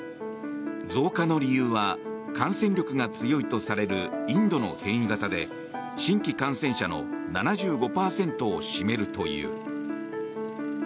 増加の理由は感染力が強いとされるインドの変異型で新規感染者の７５％を占めるという。